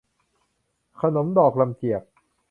ขนมดอกลำเจียก